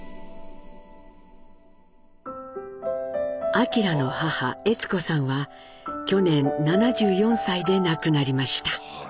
明の母・悦子さんは去年７４歳で亡くなりました。